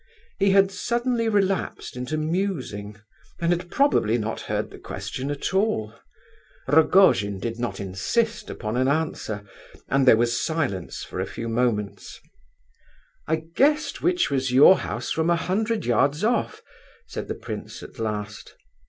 He had suddenly relapsed into musing, and had probably not heard the question at all. Rogojin did not insist upon an answer, and there was silence for a few moments. "I guessed which was your house from a hundred yards off," said the prince at last.